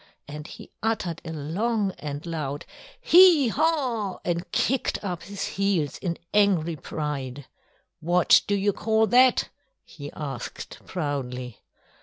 and he uttered a long and loud "Hee haw!" and kicked up his heels in angry pride. "What do you call that?" he asked proudly.